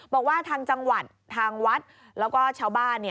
บอกว่าทางจังหวัดทางวัดแล้วก็ชาวบ้าน